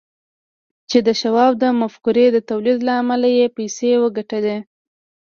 چې د شواب د مفکورې د توليد له امله يې پيسې وګټلې.